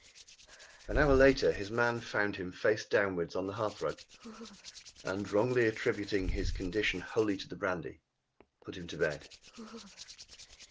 An hour later his man found him face downwards on the hearthrug and, wrongly attributing his condition wholly to the brandy, put him to bed.